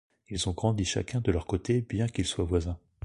Ils ont grandi chacun de leur côté bien qu'ils soient voisins.